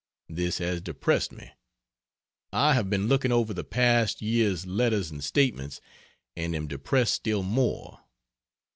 This has depressed me. I have been looking over the past year's letters and statements and am depressed still more.